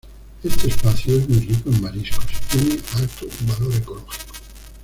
Este espacio es muy rico en mariscos y tiene alto valor ecológico.